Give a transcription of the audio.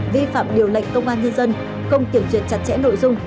vi phạm điều lệnh công an nhân dân không kiểm duyệt chặt chẽ nội dung